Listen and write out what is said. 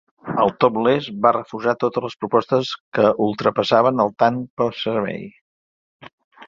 Al topless va refusar totes les propostes que ultrapassaven el tant per servei.